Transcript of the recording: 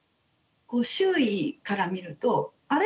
周囲から見ると「あれ？